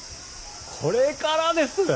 これからです。